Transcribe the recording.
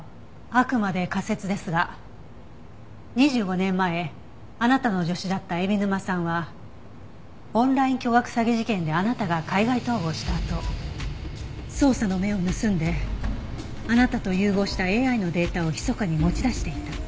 あくまで仮説ですが２５年前あなたの助手だった海老沼さんはオンライン巨額詐欺事件であなたが海外逃亡したあと捜査の目を盗んであなたと融合したＡＩのデータをひそかに持ち出していた。